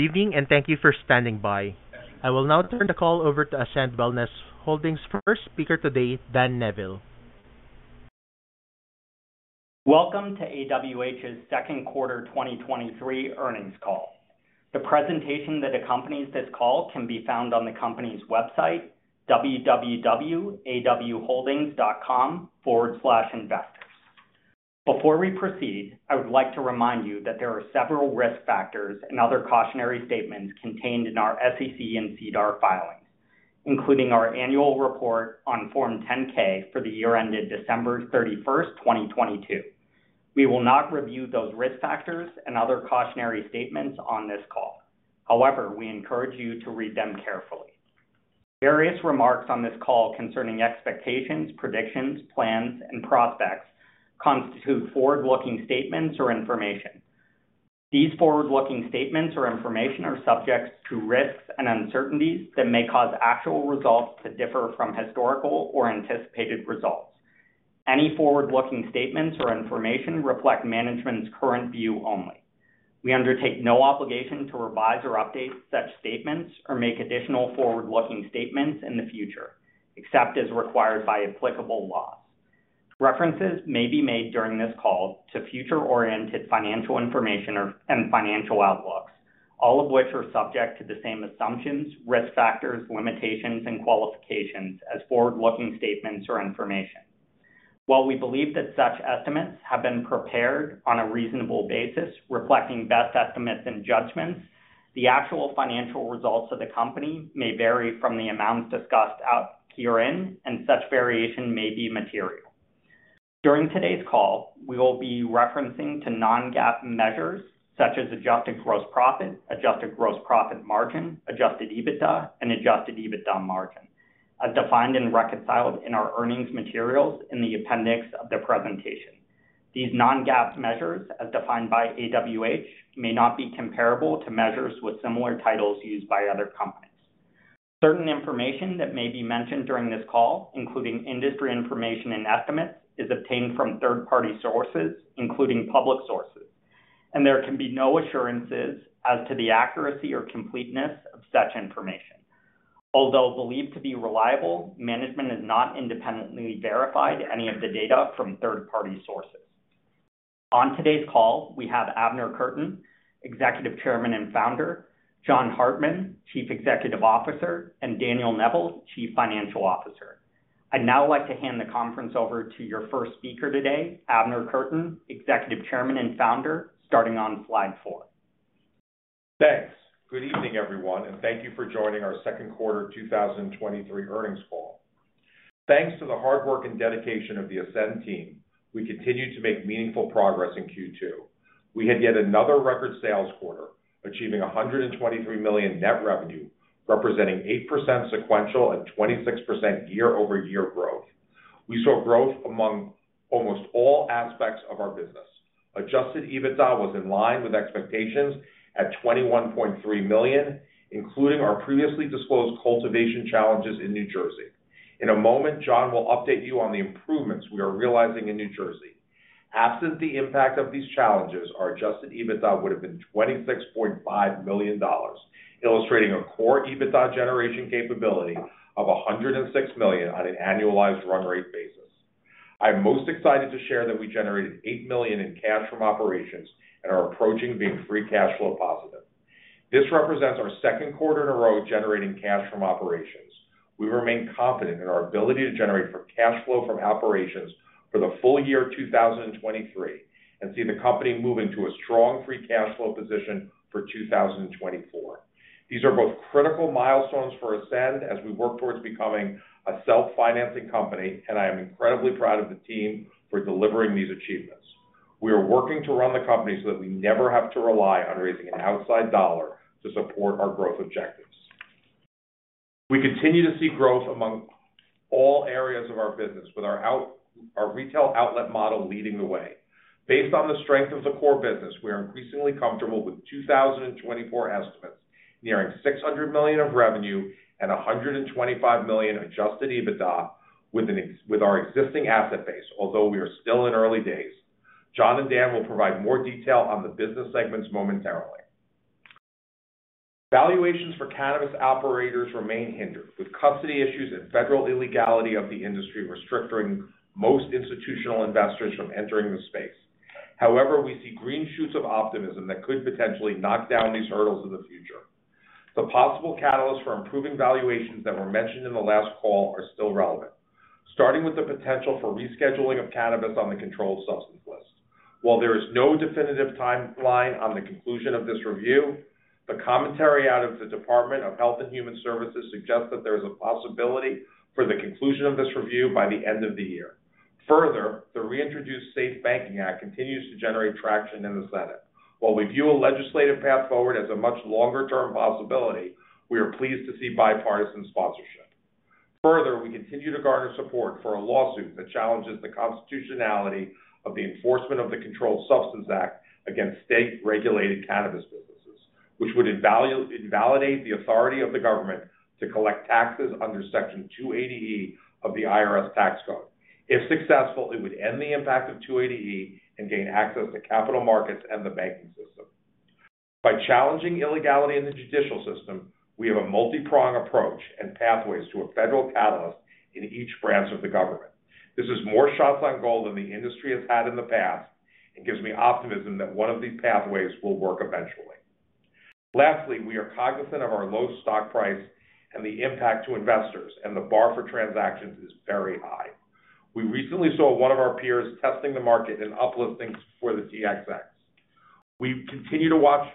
Good evening, and thank you for standing by. I will now turn the call over to Ascend Wellness Holdings' first speaker today, Dan Neville. Welcome to AWH's Second Quarter 2023 Earnings Call. The presentation that accompanies this call can be found on the company's website, www.awholdings.com/investors. Before we proceed, I would like to remind you that there are several risk factors and other cautionary statements contained in our SEC and SEDAR filings, including our annual report on Form 10-K for the year ended December 31st, 2022. We will not review those risk factors and other cautionary statements on this call. We encourage you to read them carefully. Various remarks on this call concerning expectations, predictions, plans, and prospects constitute forward-looking statements or information. These forward-looking statements or information are subject to risks and uncertainties that may cause actual results to differ from historical or anticipated results. Any forward-looking statements or information reflect management's current view only. We undertake no obligation to revise or update such statements or make additional forward-looking statements in the future, except as required by applicable laws. References may be made during this call to future-oriented financial information or, and financial outlooks, all of which are subject to the same assumptions, risk factors, limitations, and qualifications as forward-looking statements or information. While we believe that such estimates have been prepared on a reasonable basis, reflecting best estimates and judgments, the actual financial results of the company may vary from the amounts discussed out herein, and such variation may be material. During today's call, we will be referencing to non-GAAP measures such as Adjusted Gross Profit, Adjusted Gross Profit margin, Adjusted EBITDA, and Adjusted EBITDA margin, as defined and reconciled in our earnings materials in the appendix of the presentation. These non-GAAP measures, as defined by AWH, may not be comparable to measures with similar titles used by other companies. Certain information that may be mentioned during this call, including industry information and estimates, is obtained from third-party sources, including public sources, and there can be no assurances as to the accuracy or completeness of such information. Although believed to be reliable, management has not independently verified any of the data from third-party sources. On today's call, we have Abner Kurtin, Executive Chairman and Founder, John Hartmann, Chief Executive Officer, and Daniel Neville, Chief Financial Officer. I'd now like to hand the conference over to your first speaker today, Abner Kurtin, Executive Chairman and Founder, starting on slide four. Thanks. Good evening, everyone. Thank you for joining our second quarter 2023 earnings call. Thanks to the hard work and dedication of the Ascend team, we continued to make meaningful progress in Q2. We had yet another record sales quarter, achieving $123 million net revenue, representing 8% sequential and 26% year-over-year growth. We saw growth among almost all aspects of our business. Adjusted EBITDA was in line with expectations at $21.3 million, including our previously disclosed cultivation challenges in New Jersey. In a moment, John will update you on the improvements we are realizing in New Jersey. Absent the impact of these challenges, our Adjusted EBITDA would have been $26.5 million, illustrating a core EBITDA generation capability of $106 million on an annualized run rate basis. I'm most excited to share that we generated $8 million in cash from operations and are approaching being free cash flow positive. This represents our second quarter in a row, generating cash from operations. We remain confident in our ability to generate for cash flow from operations for the full year 2023, and see the company move into a strong free cash flow position for 2024. These are both critical milestones for Ascend as we work towards becoming a self-financing company, and I am incredibly proud of the team for delivering these achievements. We are working to run the company so that we never have to rely on raising an outside dollar to support our growth objectives. We continue to see growth among all areas of our business with our retail outlet model leading the way. Based on the strength of the core business, we are increasingly comfortable with 2024 estimates, nearing $600 million of revenue and $125 million Adjusted EBITDA with our existing asset base, although we are still in early days. John and Dan will provide more detail on the business segments momentarily. Valuations for cannabis operators remain hindered, with custody issues and federal illegality of the industry restricting most institutional investors from entering the space. However, we see green shoots of optimism that could potentially knock down these hurdles in the future. The possible catalysts for improving valuations that were mentioned in the last call are still relevant, starting with the potential for rescheduling of cannabis on the controlled substance list. While there is no definitive timeline on the conclusion of this review, the commentary out of the Department of Health and Human Services suggests that there is a possibility for the conclusion of this review by the end of the year. Further, the reintroduce Safe Banking Act continues to generate traction in the Senate. While we view a legislative path forward as a much longer term possibility, we are pleased to see bipartisan sponsorship. Further, we continue to garner support for a lawsuit that challenges the constitutionality of the enforcement of the Controlled Substances Act against state-regulated cannabis businesses, which would invalidate the authority of the government to collect taxes under Section 280 of the IRS tax code. If successful, it would end the impact of 280E and gain access to capital markets and the banking system. By challenging illegality in the judicial system, we have a multi-prong approach and pathways to a federal catalyst in each branch of the government. This is more shots on goal than the industry has had in the past and gives me optimism that one of these pathways will work eventually. Lastly, we are cognizant of our low stock price and the impact to investors, and the bar for transactions is very high. We recently saw one of our peers testing the market and uplifting for the CSE. We continue to watch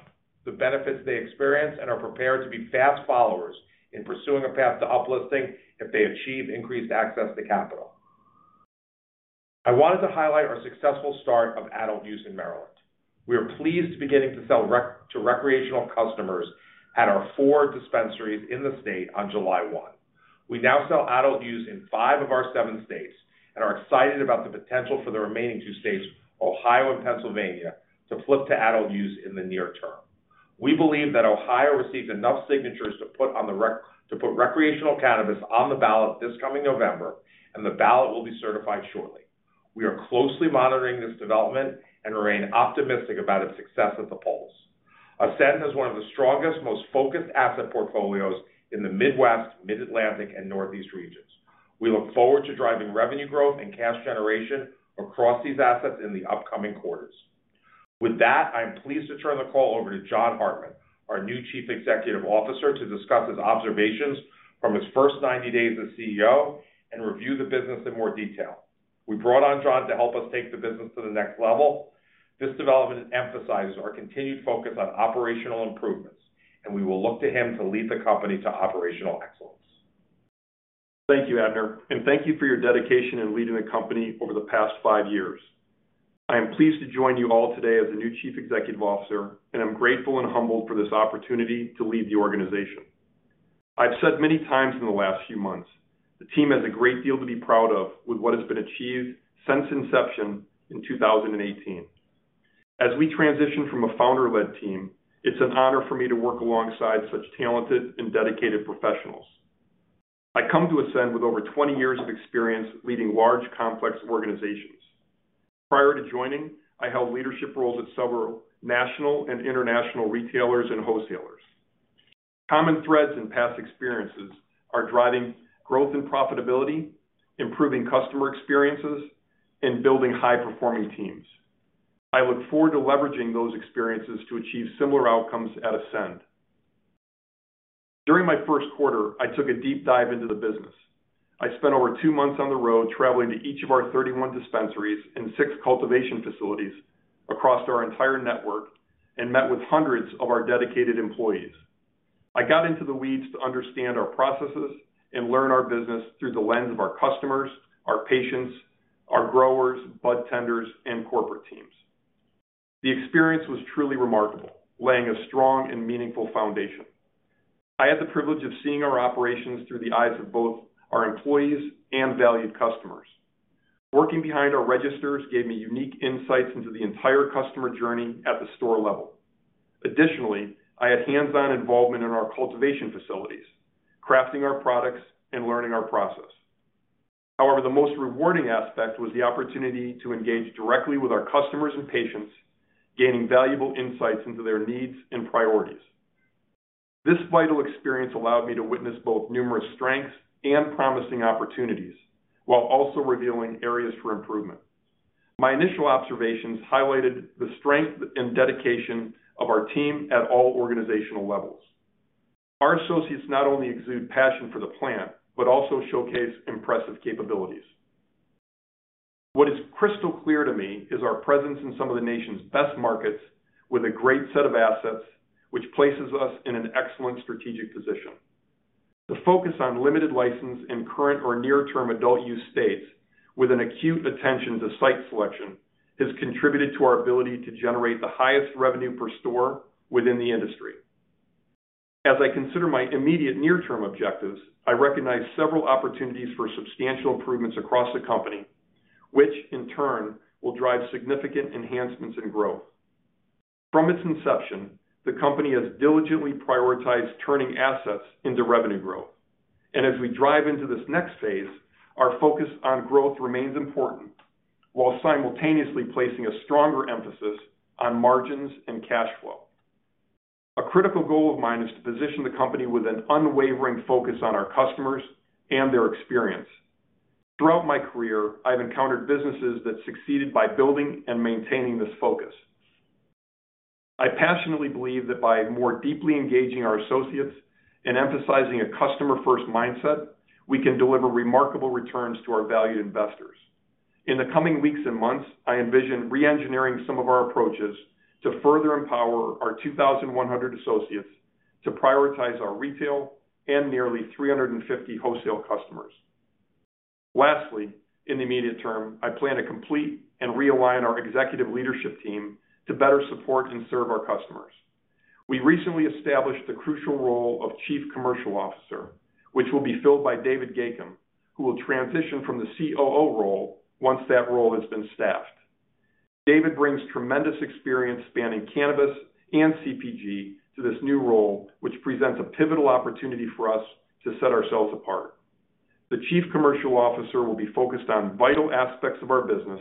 the benefits they experience and are prepared to be fast followers in pursuing a path to uplisting if they achieve increased access to capital. I wanted to highlight our successful start of adult use in Maryland. We are pleased to be getting to sell to recreational customers at our four dispensaries in the state on July 1st. We now sell adult use in five of our seven states and are excited about the potential for the remaining two states, Ohio and Pennsylvania, to flip to adult use in the near term. We believe that Ohio received enough signatures to put to put recreational cannabis on the ballot this coming November, and the ballot will be certified shortly. We are closely monitoring this development and remain optimistic about its success at the polls. Ascend has one of the strongest, most focused asset portfolios in the Midwest, Mid-Atlantic, and Northeast regions. We look forward to driving revenue growth and cash generation across these assets in the upcoming quarters. I am pleased to turn the call over to John Hartmann, our new Chief Executive Officer, to discuss his observations from his first 90 days as CEO and review the business in more detail. We brought on John to help us take the business to the next level. This development emphasizes our continued focus on operational improvements. We will look to him to lead the company to operational excellence. Thank you, Abner, and thank you for your dedication in leading the company over the past 5 years. I am pleased to join you all today as the new Chief Executive Officer, and I'm grateful and humbled for this opportunity to lead the organization. I've said many times in the last few months, the team has a great deal to be proud of with what has been achieved since inception in 2018. As we transition from a founder-led team, it's an honor for me to work alongside such talented and dedicated professionals. I come to Ascend with over 20 years of experience leading large, complex organizations. Prior to joining, I held leadership roles at several national and international retailers and wholesalers. Common threads in past experiences are driving growth and profitability, improving customer experiences, and building high-performing teams. I look forward to leveraging those experiences to achieve similar outcomes at Ascend. During my first quarter, I took a deep dive into the business. I spent over two months on the road, traveling to each of our 31 dispensaries and six cultivation facilities across our entire network and met with hundreds of our dedicated employees. I got into the weeds to understand our processes and learn our business through the lens of our customers, our patients, our growers, bud tenders, and corporate teams. The experience was truly remarkable, laying a strong and meaningful foundation. I had the privilege of seeing our operations through the eyes of both our employees and valued customers. Working behind our registers gave me unique insights into the entire customer journey at the store level. Additionally, I had hands-on involvement in our cultivation facilities, crafting our products, and learning our process. However, the most rewarding aspect was the opportunity to engage directly with our customers and patients, gaining valuable insights into their needs and priorities. This vital experience allowed me to witness both numerous strengths and promising opportunities, while also revealing areas for improvement. My initial observations highlighted the strength and dedication of our team at all organizational levels. Our associates not only exude passion for the plant, but also showcase impressive capabilities. What is crystal clear to me is our presence in some of the nation's best markets with a great set of assets, which places us in an excellent strategic position. The focus on limited license in current or near-term adult use states with an acute attention to site selection, has contributed to our ability to generate the highest revenue per store within the industry. As I consider my immediate near-term objectives, I recognize several opportunities for substantial improvements across the company, which in turn will drive significant enhancements and growth. From its inception, the company has diligently prioritized turning assets into revenue growth. As we drive into this next phase, our focus on growth remains important, while simultaneously placing a stronger emphasis on margins and cash flow. A critical goal of mine is to position the company with an unwavering focus on our customers and their experience. Throughout my career, I've encountered businesses that succeeded by building and maintaining this focus. I passionately believe that by more deeply engaging our associates and emphasizing a customer-first mindset, we can deliver remarkable returns to our valued investors. In the coming weeks and months, I envision reengineering some of our approaches to further empower our 2,100 associates to prioritize our retail and nearly 350 wholesale customers. Lastly, in the immediate term, I plan to complete and realign our executive leadership team to better support and serve our customers. We recently established the crucial role of Chief Commercial Officer, which will be filled by David Gacom, who will transition from the COO role once that role has been staffed. David brings tremendous experience spanning cannabis and CPG to this new role, which presents a pivotal opportunity for us to set ourselves apart. The Chief Commercial Officer will be focused on vital aspects of our business,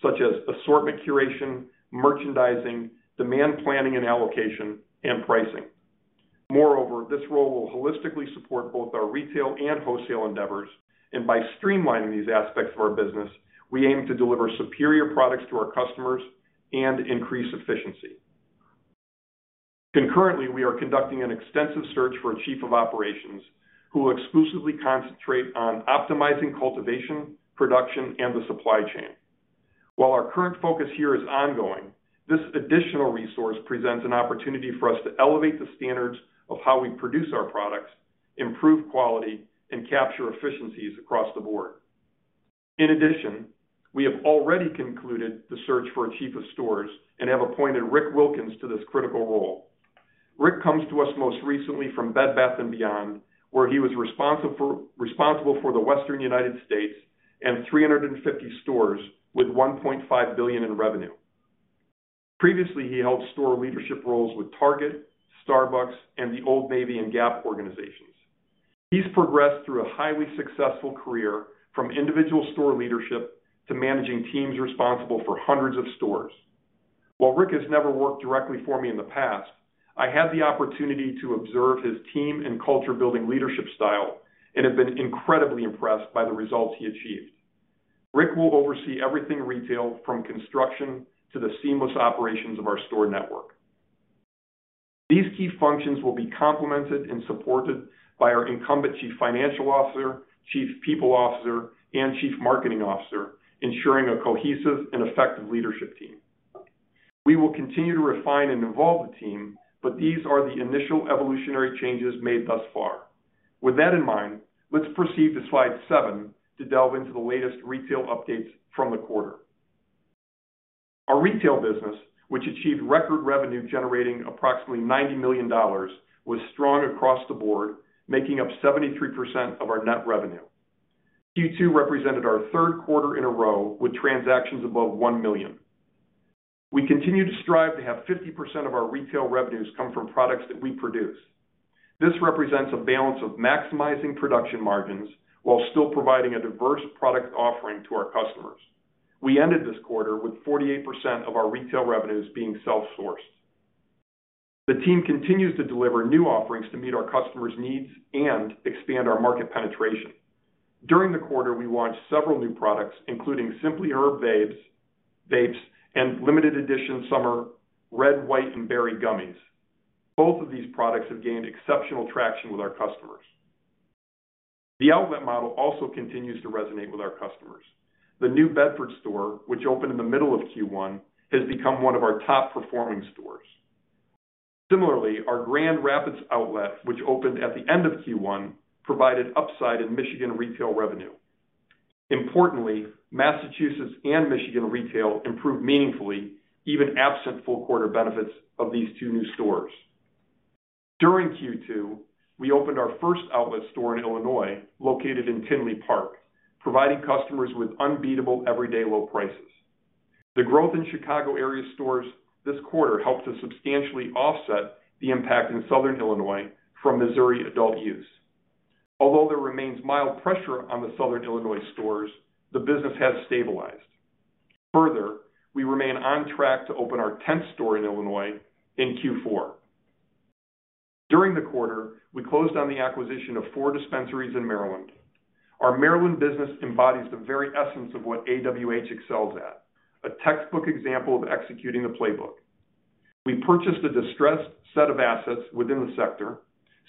such as assortment curation, merchandising, demand planning and allocation, and pricing. Moreover, this role will holistically support both our retail and wholesale endeavors. By streamlining these aspects of our business, we aim to deliver superior products to our customers and increase efficiency. Concurrently, we are conducting an extensive search for a Chief of Operations who will exclusively concentrate on optimizing cultivation, production, and the supply chain. While our current focus here is ongoing, this additional resource presents an opportunity for us to elevate the standards of how we produce our products, improve quality, and capture efficiencies across the board. In addition, we have already concluded the search for a Chief of Stores and have appointed Rick Wilkins to this critical role. Rick comes to us most recently from Bed Bath & Beyond, where he was responsible for the Western United States and 350 stores with $1.5 billion in revenue. Previously, he held store leadership roles with Target, Starbucks, and the Old Navy and Gap organizations. He's progressed through a highly successful career, from individual store leadership to managing teams responsible for hundreds of stores. While Rick has never worked directly for me in the past, I had the opportunity to observe his team and culture-building leadership style and have been incredibly impressed by the results he achieved. Rick will oversee everything retail, from construction to the seamless operations of our store network. These key functions will be complemented and supported by our incumbent Chief Financial Officer, Chief People Officer, and Chief Marketing Officer, ensuring a cohesive and effective leadership team. We will continue to refine and evolve the team, but these are the initial evolutionary changes made thus far. With that in mind, let's proceed to slide 7 to delve into the latest retail updates from the quarter. Our retail business, which achieved record revenue generating approximately $90 million, was strong across the board, making up 73% of our net revenue. Q2 represented our third quarter in a row with transactions above 1 million. We continue to strive to have 50% of our retail revenues come from products that we produce. This represents a balance of maximizing production margins while still providing a diverse product offering to our customers. We ended this quarter with 48% of our retail revenues being self-sourced. The team continues to deliver new offerings to meet our customers' needs and expand our market penetration. During the quarter, we launched several new products, including Simply Herb vapes, vapes and limited edition summer, Red, White, and Berry Gummies. Both of these products have gained exceptional traction with our customers. The outlet model also continues to resonate with our customers. The New Bedford store, which opened in the middle of Q1, has become one of our top-performing stores. Similarly, our Grand Rapids outlet, which opened at the end of Q1, provided upside in Michigan retail revenue. Importantly, Massachusetts and Michigan retail improved meaningfully, even absent full quarter benefits of these two new stores. During Q2, we opened our first outlet store in Illinois, located in Tinley Park, providing customers with unbeatable, everyday low prices. The growth in Chicago area stores this quarter helped to substantially offset the impact in southern Illinois from Missouri adult use. Although there remains mild pressure on the southern Illinois stores, the business has stabilized. Further, we remain on track to open our 10th store in Illinois in Q4. During the quarter, we closed on the acquisition of four dispensaries in Maryland. Our Maryland business embodies the very essence of what AWH excels at, a textbook example of executing the playbook. We purchased a distressed set of assets within the sector,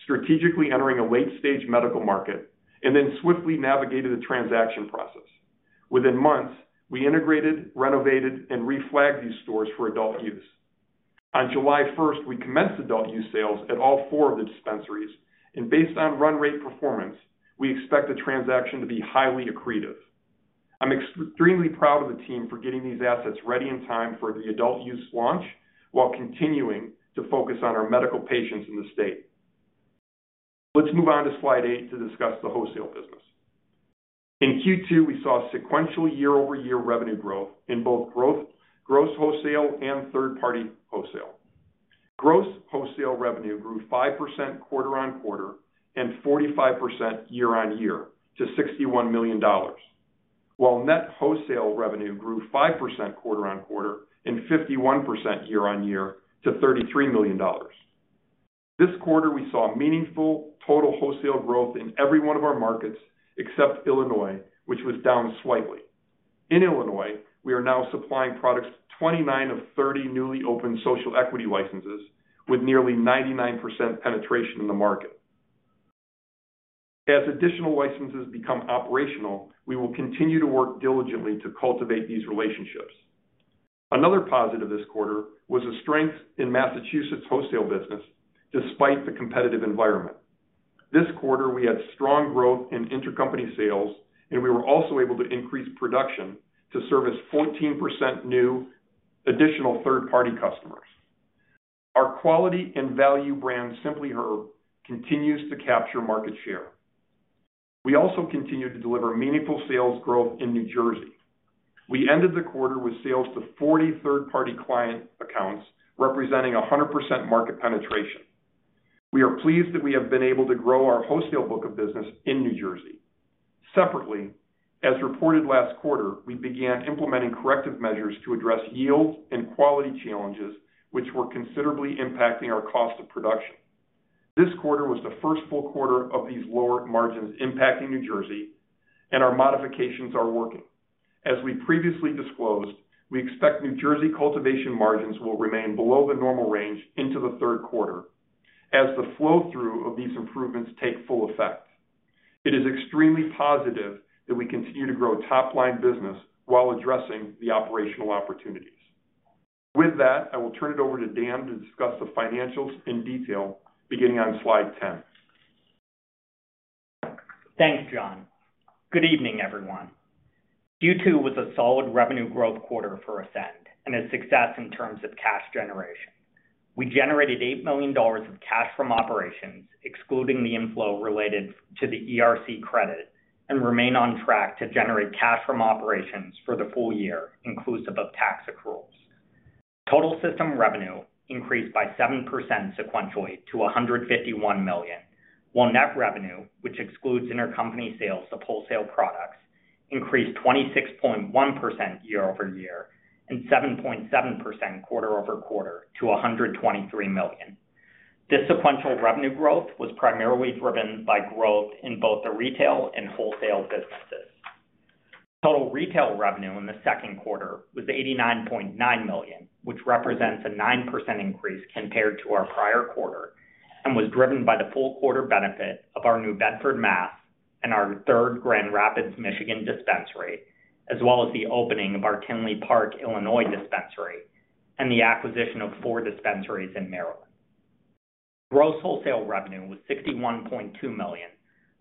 strategically entering a late-stage medical market, and then swiftly navigated the transaction process. Within months, we integrated, renovated, and reflagged these stores for adult use. On July 1st, we commenced adult use sales at all four of the dispensaries, and based on run rate performance, we expect the transaction to be highly accretive. I'm extremely proud of the team for getting these assets ready in time for the adult use launch, while continuing to focus on our medical patients in the state. Let's move on to Slide eight to discuss the wholesale business. In Q2, we saw sequential year-over-year revenue growth in both gross wholesale and third-party wholesale. Gross wholesale revenue grew 5% quarter-on-quarter and 45% year-on-year to $61 million. Net wholesale revenue grew 5% quarter-on-quarter and 51% year-on-year to $33 million. This quarter, we saw meaningful total wholesale growth in every one of our markets, except Illinois, which was down slightly. In Illinois, we are now supplying products to 29 of 30 newly opened social equity licenses, with nearly 99% penetration in the market. As additional licenses become operational, we will continue to work diligently to cultivate these relationships. Another positive this quarter was a strength in Massachusetts wholesale business, despite the competitive environment. This quarter, we had strong growth in intercompany sales, and we were also able to increase production to service 14% new additional third-party customers. Our quality and value brand, Simply Herb, continues to capture market share. We also continued to deliver meaningful sales growth in New Jersey. We ended the quarter with sales to 43rd-party client accounts, representing 100% market penetration. We are pleased that we have been able to grow our wholesale book of business in New Jersey. Separately, as reported last quarter, we began implementing corrective measures to address yields and quality challenges, which were considerably impacting our cost of production. This quarter was the first full quarter of these lower margins impacting New Jersey, and our modifications are working. As we previously disclosed, we expect New Jersey cultivation margins will remain below the normal range into the third quarter as the flow-through of these improvements take full effect. It is extremely positive that we continue to grow top-line business while addressing the operational opportunities. With that, I will turn it over to Dan to discuss the financials in detail, beginning on slide 10. Thanks, John. Good evening, everyone. Q2 was a solid revenue growth quarter for Ascend and a success in terms of cash generation. We generated $8 million of cash from operations, excluding the inflow related to the ERC credit, and remain on track to generate cash from operations for the full year, inclusive of tax accruals. Total system revenue increased by 7% sequentially to $151 million, while net revenue, which excludes intercompany sales of wholesale products, increased 26.1% year-over-year and 7.7% quarter-over-quarter to $123 million. This sequential revenue growth was primarily driven by growth in both the retail and wholesale businesses. Total retail revenue in the second quarter was $89.9 million, which represents a a 9% increase compared to our prior quarter and was driven by the full quarter benefit of our New Bedford, Mass, and our 3rd Grand Rapids, Michigan dispensary, as well as the opening of our Tinley Park, Illinois, dispensary and the acquisition of 4 dispensaries in Maryland. Gross wholesale revenue was $61.2 million,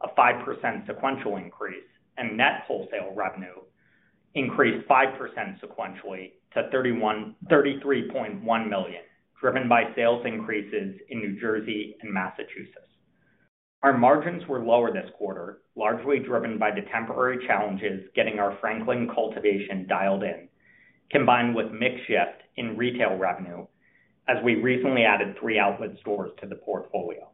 a 5% sequential increase, and net wholesale revenue increased 5% sequentially to $33.1 million, driven by sales increases in New Jersey and Massachusetts. Our margins were lower this quarter, largely driven by the temporary challenges getting our Franklin cultivation dialed in, combined with mix shift in retail revenue as we recently added three outlet stores to the portfolio.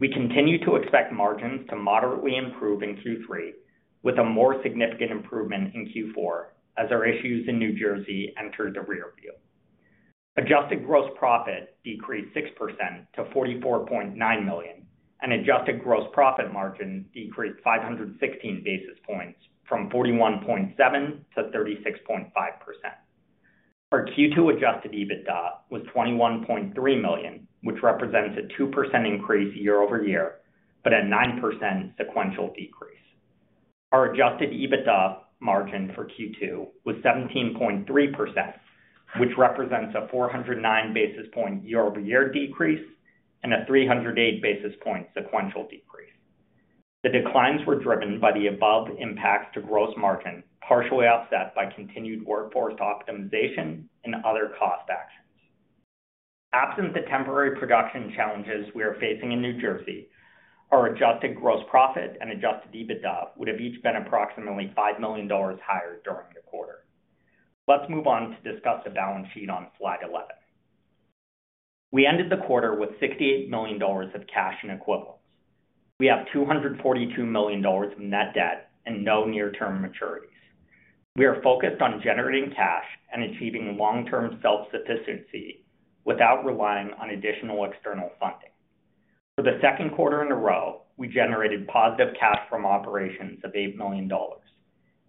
We continue to expect margins to moderately improve in Q3, with a more significant improvement in Q4 as our issues in New Jersey enter the rear view. Adjusted Gross Profit decreased 6% to $44.9 million, and Adjusted Gross Profit margin decreased 516 basis points from 41.7% to 36.5%. Our Q2 Adjusted EBITDA was $21.3 million, which represents a 2% increase year-over-year, but a 9% sequential decrease. Our Adjusted EBITDA margin for Q2 was 17.3%, which represents a 409 basis point year-over-year decrease and a 308 basis point sequential decrease. The declines were driven by the above impacts to gross margin, partially offset by continued workforce optimization and other cost actions. Absent the temporary production challenges we are facing in New Jersey, our Adjusted Gross Profit and Adjusted EBITDA would have each been approximately $5 million higher during the quarter. Let's move on to discuss the balance sheet on slide 11. We ended the quarter with $68 million of cash and equivalents. We have $242 million in net debt and no near-term maturities. We are focused on generating cash and achieving long-term self-sufficiency without relying on additional external funding. For the second quarter in a row, we generated positive cash from operations of $8 million,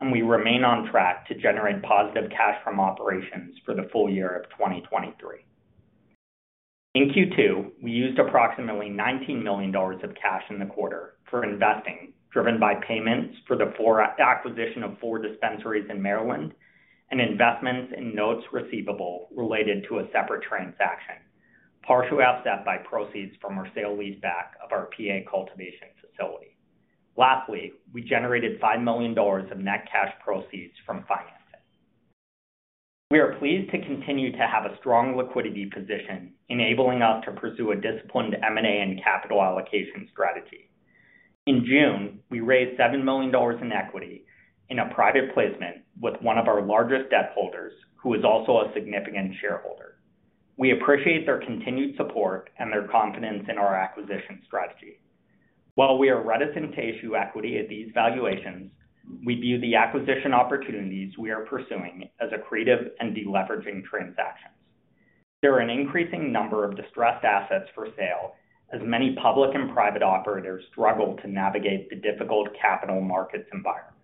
we remain on track to generate positive cash from operations for the full year of 2023. In Q2, we used approximately $19 million of cash in the quarter for investing, driven by payments for the acquisition of four dispensaries in Maryland and investments in notes receivable related to a separate transaction, partially offset by proceeds from our sale-leaseback of our PA cultivation facility. Lastly, we generated $5 million of net cash proceeds from financing. We are pleased to continue to have a strong liquidity position, enabling us to pursue a disciplined M&A and capital allocation strategy. In June, we raised $7 million in equity in a private placement with one of our largest debt holders, who is also a significant shareholder. We appreciate their continued support and their confidence in our acquisition strategy. While we are reticent to issue equity at these valuations, we view the acquisition opportunities we are pursuing as accretive and deleveraging transactions. There are an increasing number of distressed assets for sale, as many public and private operators struggle to navigate the difficult capital markets environment.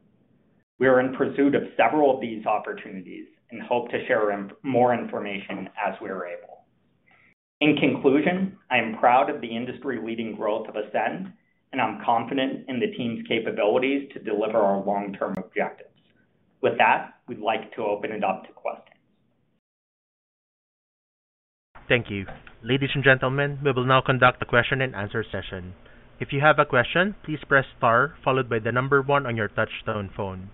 We are in pursuit of several of these opportunities and hope to share more information as we are able. In conclusion, I am proud of the industry-leading growth of Ascend, and I'm confident in the team's capabilities to deliver our long-term objectives. With that, we'd like to open it up to questions. Thank you. Ladies and gentlemen, we will now conduct a question and answer session. If you have a question, please press star followed by the number one on your touch-tone phone.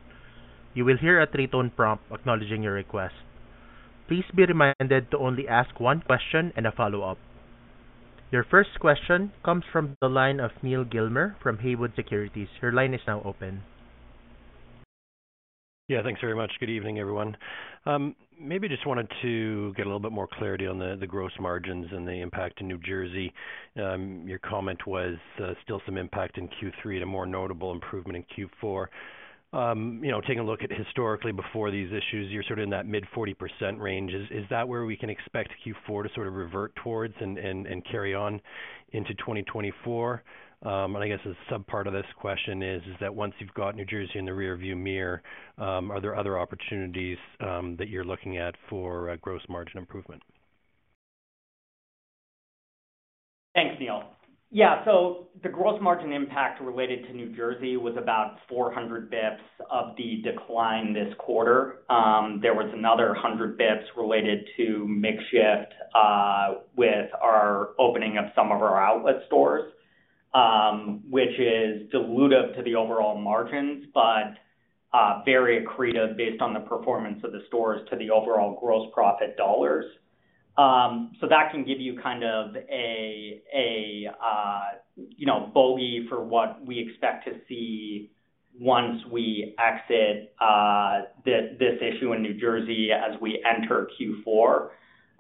You will hear a three-tone prompt acknowledging your request. Please be reminded to only ask one question and a follow-up. Your first question comes from the line of Neal Gilmer from Haywood Securities. Your line is now open. Yeah, thanks very much. Good evening, everyone. Maybe just wanted to get a little bit more clarity on the gross margins and the impact in New Jersey. Your comment was still some impact in Q3 and a more notable improvement in Q4. You know, taking a look at historically before these issues, you're sort of in that mid-40% range. Is that where we can expect Q4 to sort of revert towards and carry on into 2024? I guess a subpart of this question is that once you've got New Jersey in the rearview mirror, are there other opportunities that you're looking at for a gross margin improvement? Thanks, Neal. The gross margin impact related to New Jersey was about 400 basis points of the decline this quarter. There was another 100 basis points related to mix shift, with our opening of some of our outlet stores, which is dilutive to the overall margins, but very accretive based on the performance of the stores to the overall gross profit dollars. That can give you kind of a, a, you know, bogey for what we expect to see once we exit this issue in New Jersey as we enter Q4.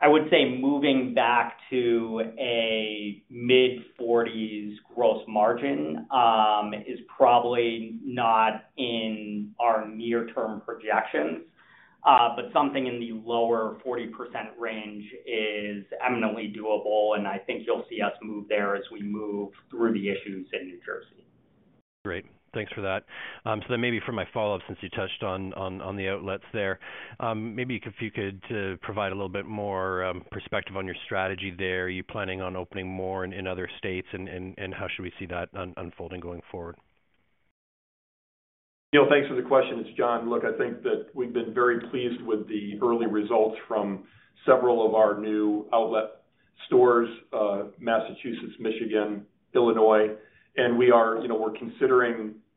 I would say moving back to a mid-40s gross margin is probably not in our near-term projections. Something in the lower 40% range is eminently doable, and I think you'll see us move there as we move through the issues in New Jersey. Great. Thanks for that. Then maybe for my follow-up, since you touched on, on, on the outlets there, maybe if you could to provide a little bit more perspective on your strategy there. Are you planning on opening more in, in other states and, and, and how should we see that unfolding going forward? Neal, thanks for the question. It's John. Look, I think that we've been very pleased with the early results from several of our new outlet stores, Massachusetts, Michigan, Illinois. We are, you know,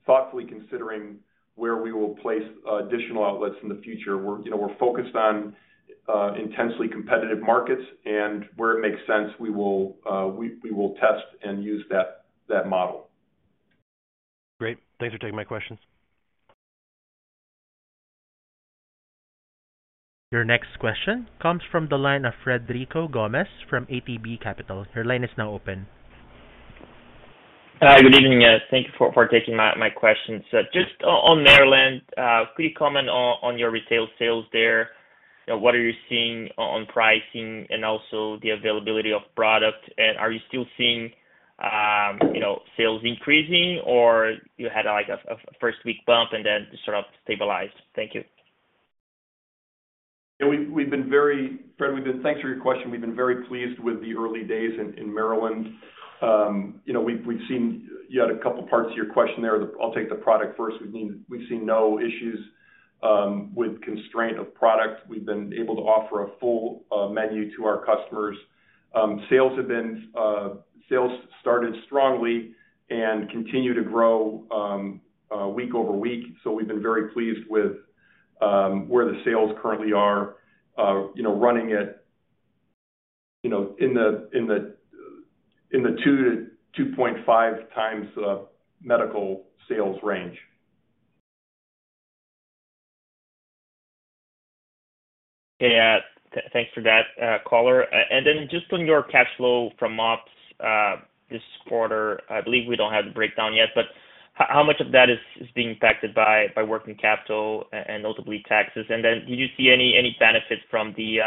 thoughtfully considering where we will place additional outlets in the future. We're, you know, we're focused on intensely competitive markets, and where it makes sense, we will, we, we will test and use that, that model. Great. Thanks for taking my questions. Your next question comes from the line of Frederico Gomes from ATB Capital. Your line is now open. Good evening, thank you for taking my questions. Just on Maryland, could you comment on your retail sales there? What are you seeing on pricing and also the availability of product? Are you still seeing, you know, sales increasing or you had, like, a first week bump and then sort of stabilized? Thank you. Yeah, Frederico, we've been thanks for your question. We've been very pleased with the early days in Maryland. You know, we've seen You had a couple parts of your question there. I'll take the product first. We've seen no issues with constraint of product. We've been able to offer a full menu to our customers. Sales started strongly and continue to grow week over week. We've been very pleased with where the sales currently are, you know, running at, you know, in the, in the, in the 2x-2.5x times medical sales range. Yeah. Thanks for that, caller. Just on your cash flow from ops, this quarter, I believe we don't have the breakdown yet, but how much of that is being impacted by working capital and notably taxes? Did you see any benefit from the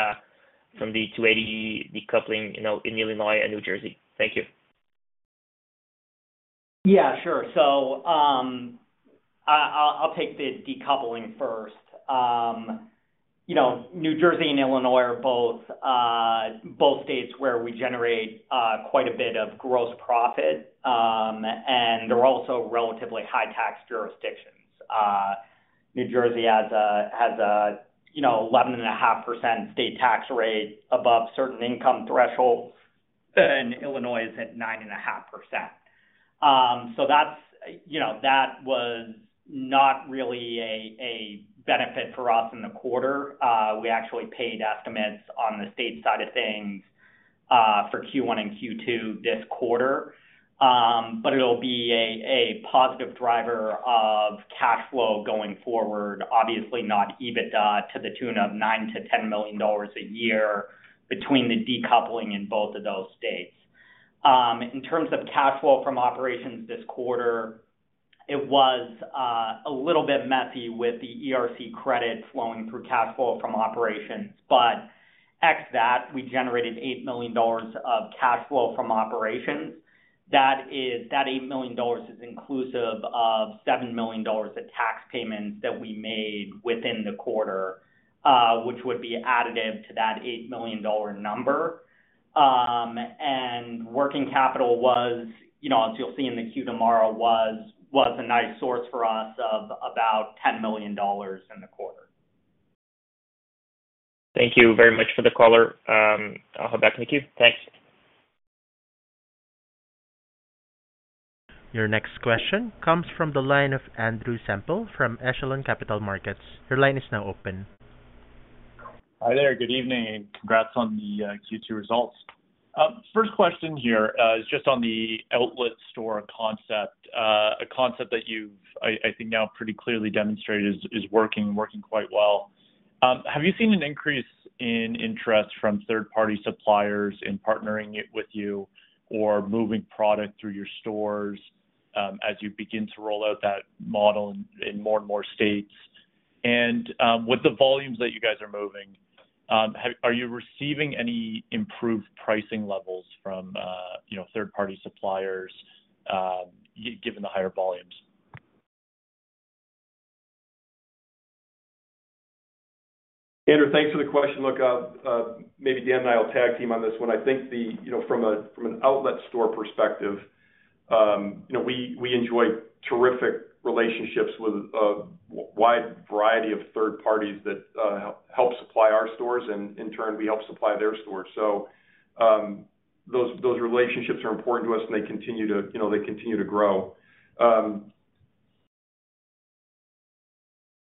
280E decoupling, you know, in Illinois and New Jersey? Thank you. Yeah, sure. I, I'll, I'll take the decoupling first. You know, New Jersey and Illinois are both states where we generate quite a bit of gross profit, and they're also relatively high-tax jurisdictions. New Jersey has a, has a, you know, 11.5% state tax rate above certain income thresholds, and Illinois is at 9.5%. That's, you know, that was not really a benefit for us in the quarter. We actually paid estimates on the state side of things for Q1 and Q2 this quarter. It'll be a positive driver of cash flow going forward. Obviously, not EBITDA to the tune of $9 million-$10 million a year between the decoupling in both of those states. In terms of cash flow from operations this quarter, it was a little bit messy with the ERC credit flowing through cash flow from operations, but ex that, we generated $8 million of cash flow from operations. That is, that $8 million is inclusive of $7 million of tax payments that we made within the quarter, which would be additive to that $8 million number. Working capital was, you know, as you'll see in the Q tomorrow, was a nice source for us of about $10 million in the quarter. Thank you very much for the caller. I'll head back to the queue. Thanks. Your next question comes from the line of Andrew Semple from Echelon Capital Markets. Your line is now open. Hi there. Good evening, and congrats on the Q2 results. First question here, is just on the outlet store concept. A concept that you've, I, I think now pretty clearly demonstrated is, is working, working quite well. Have you seen an increase in interest from third-party suppliers in partnering it with you or moving product through your stores, as you begin to roll out that model in, in more and more states? With the volumes that you guys are moving, are you receiving any improved pricing levels from, you know, third-party suppliers, given the higher volumes? Andrew, thanks for the question. Look, maybe Dan and I will tag team on this one. I think the, you know, from an outlet store perspective, you know, we enjoy terrific relationships with a wide variety of third parties that help supply our stores, and in turn, we help supply their stores. Those relationships are important to us, and they continue to, you know, they continue to grow.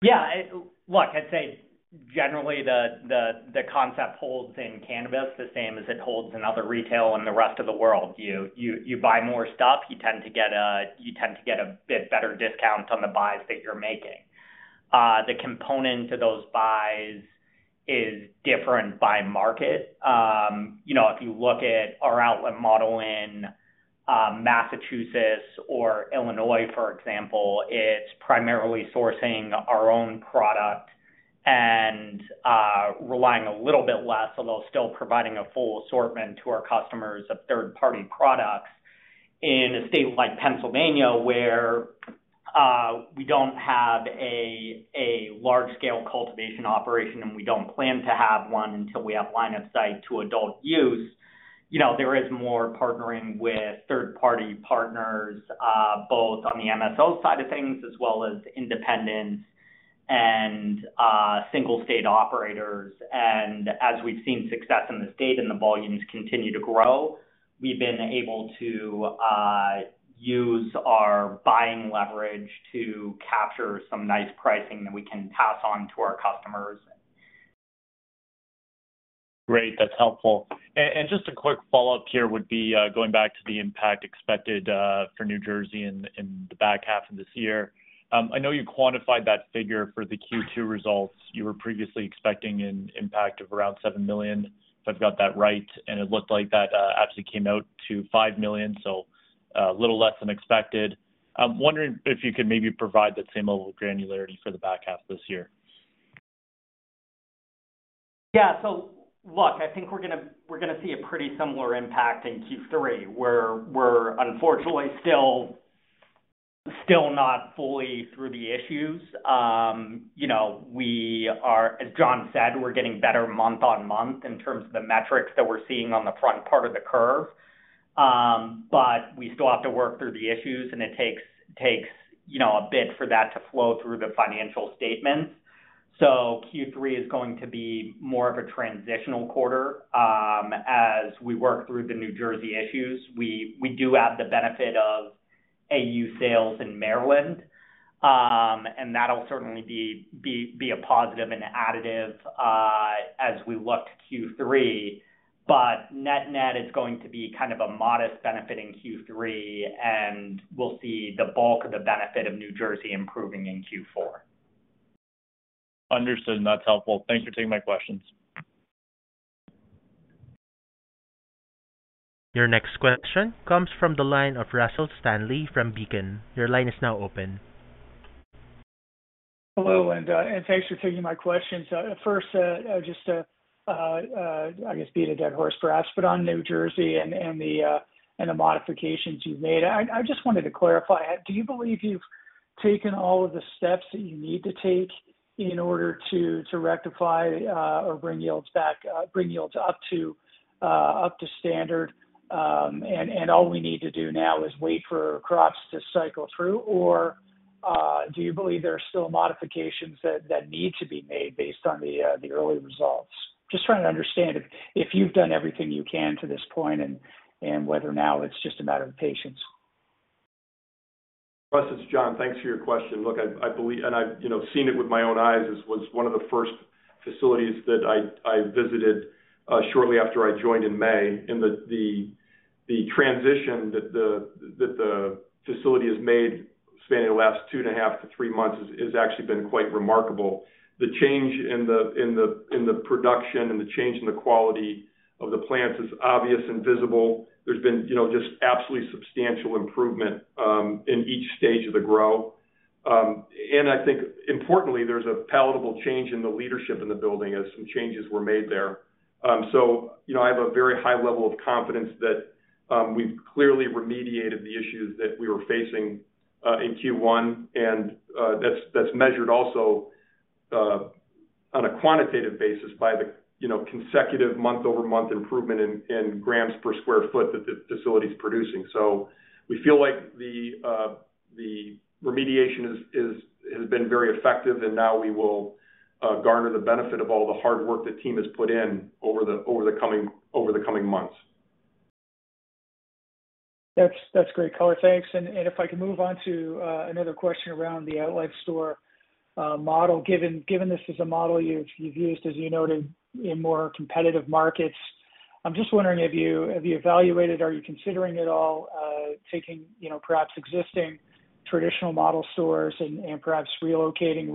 Yeah, I-- look, I'd say generally, the concept holds in cannabis, the same as it holds in other retail and the rest of the world. You buy more stuff, you tend to get a bit better discount on the buys that you're making. The component to those buys is different by market. You know, if you look at our outlet model in Massachusetts or Illinois, for example, it's primarily sourcing our own product and relying a little bit less, although still providing a full assortment to our customers of third-party products. In a state like Pennsylvania, where we don't have a large-scale cultivation operation, and we don't plan to have one until we have line of sight to adult use, you know, there is more partnering with third-party partners, both on the MSO side of things, as well as independents and single state operators. As we've seen success in the state and the volumes continue to grow, we've been able to use our buying leverage to capture some nice pricing that we can pass on to our customers. Great. That's helpful. Just a quick follow-up here would be going back to the impact expected for New Jersey in the back half of this year. I know you quantified that figure for the Q2 results. You were previously expecting an impact of around $7 million, if I've got that right, and it looked like that actually came out to $5 million, so a little less than expected. I'm wondering if you could maybe provide that same level of granularity for the back half this year. Look, I think we're gonna, we're gonna see a pretty similar impact in Q3, where we're unfortunately still, still not fully through the issues. You know, we are, as John said, we're getting better month on month in terms of the metrics that we're seeing on the front part of the curve. But we still have to work through the issues, and it takes, takes, you know, a bit for that to flow through the financial statements. Q3 is going to be more of a transitional quarter, as we work through the New Jersey issues. We, we do have the benefit of AU sales in Maryland, and that'll certainly be, be, be a positive and additive, as we look to Q3. Net-net is going to be kind of a modest benefit in Q3, and we'll see the bulk of the benefit of New Jersey improving in Q4. Understood. That's helpful. Thank you for taking my questions. Your next question comes from the line of Russell Stanley from Beacon. Your line is now open. Hello, and thanks for taking my questions. First, just to, I guess, beat a dead horse, perhaps, but on New Jersey and the modifications you've made. I just wanted to clarify. Do you believe you've taken all of the steps that you need to take in order to, to rectify, or bring yields back, bring yields up to, up to standard? All we need to do now is wait for crops to cycle through, or do you believe there are still modifications that need to be made based on the early results? Just trying to understand if you've done everything you can to this point and whether now it's just a matter of patience. Russ, it's John. Thanks for your question. Look, I, I believe... and I've, you know, seen it with my own eyes, this was one of the first facilities that I, I visited, shortly after I joined in May. The, the, the transition that the, that the facility has made spanning the last two and a half to three months has, has actually been quite remarkable. The change in the, in the, in the production and the change in the quality of the plants is obvious and visible. There's been, you know, just absolutely substantial improvement, in each stage of the grow. I think importantly, there's a palatable change in the leadership in the building, as some changes were made there. So, you know, I have a very high level of confidence that we've clearly remediated the issues that we were facing in Q1, and that's, that's measured also on a quantitative basis by the, you know, consecutive month-over-month improvement in grams per square foot that the facility is producing. So we feel like the remediation is, is, has been very effective, and now we will garner the benefit of all the hard work the team has put in over the coming, over the coming months. That's, that's great, John. Thanks. If I can move on to another question around the outlet store model. Given, given this is a model you've, you've used, as you noted, in more competitive markets, I'm just wondering have you, have you evaluated, are you considering at all, taking, you know, perhaps existing traditional model stores and, and perhaps relocating,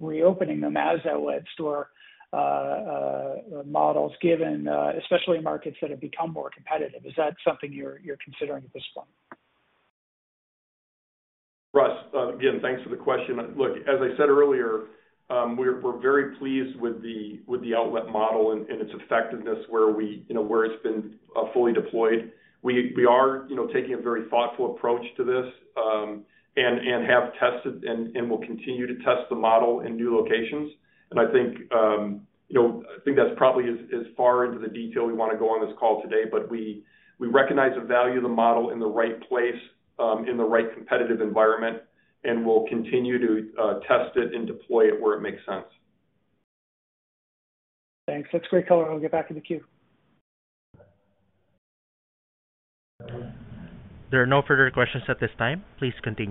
reopening them as outlet store models, given, especially in markets that have become more competitive? Is that something you're, you're considering at this point? Russell, again, thanks for the question. Look, as I said earlier, we're very pleased with the outlet model and its effectiveness where we, you know, where it's been fully deployed. We are, you know, taking a very thoughtful approach to this, and have tested and will continue to test the model in new locations. I think, you know, I think that's probably as far into the detail we wanna go on this call today, but we recognize the value of the model in the right place, in the right competitive environment, and we'll continue to test it and deploy it where it makes sense. Thanks. That's great, John. I'll get back in the queue. There are no further questions at this time. Please continue.